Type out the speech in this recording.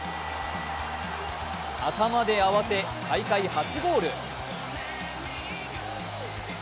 頭で合わせ、大会初ゴール。